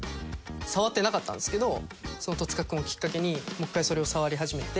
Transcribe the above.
触ってなかったんですけどその戸塚君をきっかけにもう１回それを触り始めて。